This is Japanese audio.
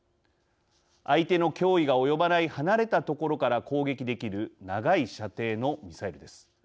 相手の脅威が及ばない離れた所から攻撃できる長い射程のミサイルです。